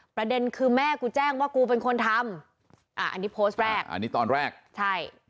ประเด็นคือแม่กูแจ้งว่ากูเป็นคนทำอ่าอันนี้โพสต์แรกอันนี้ตอนแรกใช่